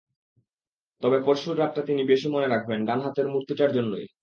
তবে পরশুর রাতটা তিনি বেশি মনে রাখবেন ডান হাতের মূর্তিটার জন্যই।